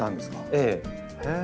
ええ。